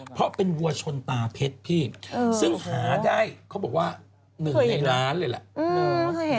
เพราะเป็นวัวชนตาเพชรพี่ซึ่งหาได้เขาบอกว่า๑ในล้านเลยแหละ